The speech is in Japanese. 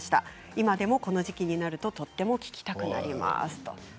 今でもこの時期になるととても聴きたくなります。